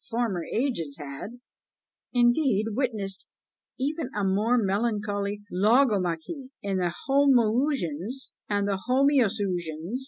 Former ages had, indeed, witnessed even a more melancholy logomachy, in the Homoousion and the Homoiousion!